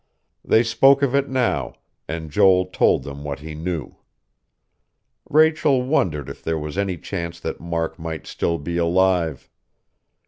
They spoke of it now, and Joel told them what he knew.... Rachel wondered if there was any chance that Mark might still be alive.